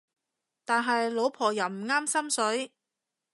但係老婆又唔啱心水